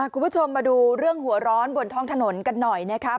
คุณผู้ชมมาดูเรื่องหัวร้อนบนท้องถนนกันหน่อยนะคะ